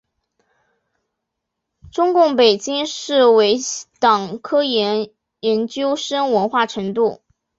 中共北京市委党校研究生文化程度。